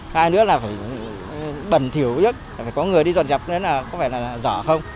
hai nữa là phải bẩn thiểu nhất phải có người đi dọn dọc nên là có phải là giỏ không